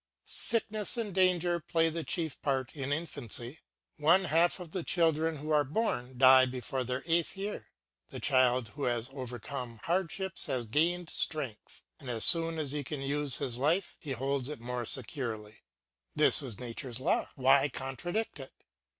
Sickness and danger play the chief part in infancy. One half of the children who are born die before their eighth year. The child who has overcome hardships has gained strength, and as soon as he can use his life he holds it more securely. This is nature's law; why contradict it?